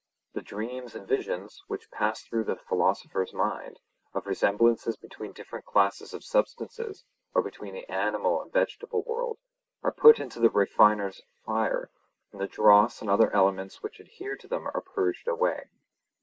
The dreams and visions, which pass through the philosopher's mind, of resemblances between different classes of substances, or between the animal and vegetable world, are put into the refiner's fire, and the dross and other elements which adhere to them are purged away.